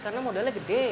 karena modalnya gede